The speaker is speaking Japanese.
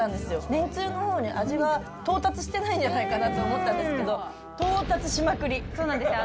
めんつゆのほうに味が到達してないんじゃないかと思ったんですけそうなんですよ。